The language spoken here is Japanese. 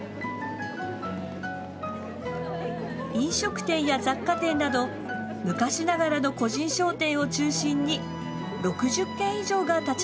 飲食店や雑貨店など昔ながらの個人商店を中心に６０軒以上が立ち並びます。